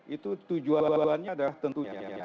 itu tujuan tujuan nya adalah tentunya